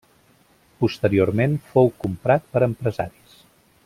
Posteriorment fou comprat per empresaris.